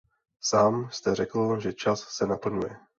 Sám jste řekl, že čas se naplňuje.